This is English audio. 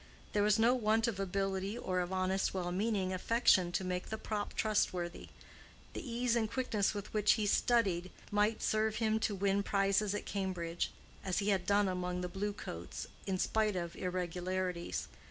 There was no want of ability or of honest well meaning affection to make the prop trustworthy: the ease and quickness with which he studied might serve him to win prizes at Cambridge, as he had done among the Blue Coats, in spite of irregularities.